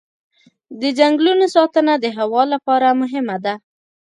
د ځنګلونو ساتنه د هوا لپاره مهمه ده.